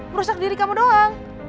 merusak diri kamu doang